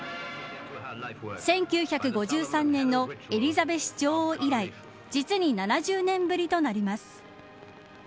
１９５３年のエリザベス女王以来実に７０年ぶりとなります。